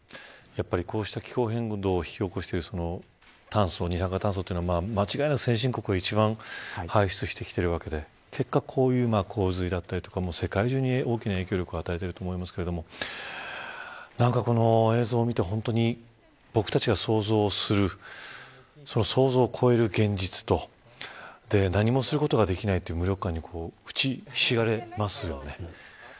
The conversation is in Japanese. こうした気候変動を引き起こしている二酸化炭素というのは間違いなく先進国が排出してきているわけで結果、こういう洪水だったり世界中に大きな影響を与えていると思いますがこの映像を見て本当に僕たちが想像するその想像を超える現実と何もすることができないという無力感に打ちひしがれますよね。